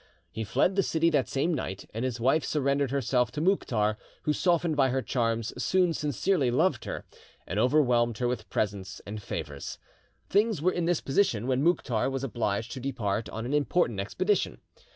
He fled the city that same night, and his wife surrendered herself to Mouktar, who, softened by her charms, soon sincerely loved her, and overwhelmed her with presents and favours. Things were in this position when Mouktar was obliged to depart on an important expedition.